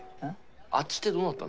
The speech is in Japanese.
あっちってどうなったんですか？